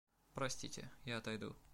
Простите, я отойду.